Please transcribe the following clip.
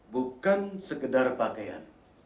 bukan sekedar pakaian